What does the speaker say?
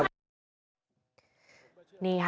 พตรพูดถึงเรื่องนี้ยังไงลองฟังกันหน่อยค่ะ